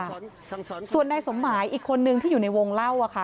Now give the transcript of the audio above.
ส่งสนส่งสนส่งสนส่วนนายสมหมายอีกคนนึงที่อยู่ในวงเล่าอ่ะค่ะ